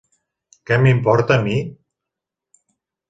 Què m'importa a mi?